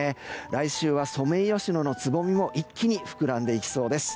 来週はソメイヨシノのつぼみも一気に膨らんでいきそうです。